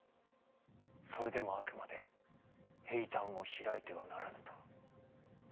それでもあくまで「兵端を開いてはならぬ」と。